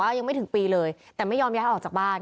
ยังไม่ถึงปีเลยแต่ไม่ยอมย้ายออกจากบ้าน